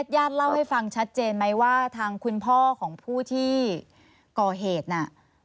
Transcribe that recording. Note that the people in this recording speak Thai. ญาติเล่าให้ฟังชัดเจนไหมว่าทางคุณพ่อของผู้ที่ก่อเหตุน่ะ